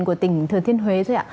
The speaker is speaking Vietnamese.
của tỉnh thừa thiên huế thôi ạ